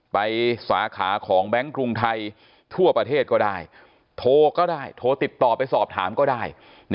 สาขาของแบงค์กรุงไทยทั่วประเทศก็ได้โทรก็ได้โทรติดต่อไปสอบถามก็ได้